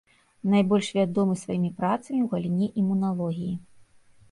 Найбольш вядомы сваімі працамі ў галіне імуналогіі.